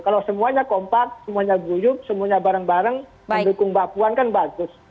kalau semuanya kompak semuanya guyup semuanya bareng bareng mendukung mbak puan kan bagus